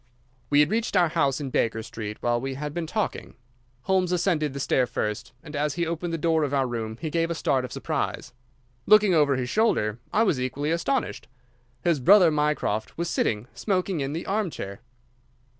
We had reached our house in Baker Street while we had been talking. Holmes ascended the stair first, and as he opened the door of our room he gave a start of surprise. Looking over his shoulder, I was equally astonished. His brother Mycroft was sitting smoking in the armchair.